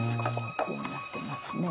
こうなってますね。